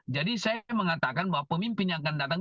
jadi saya mengatakan bahwa pemimpin yang akan datang